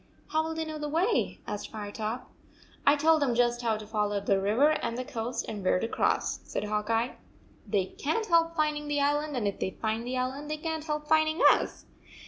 "How will they know the way?" asked Firetop. " I told them just how to follow the river 161 and the coast, and where to cross," said Hawk Eye. "They can t help finding the island, and if they find the island, they can t help finding us.